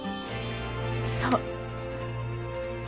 そう。